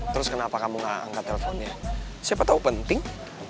terus kenapa kamu gak angkat telfon dia siapa tau penting